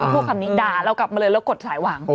พูดคำนี้ด่าเรากลับมาเลยแล้วกดสายหวัง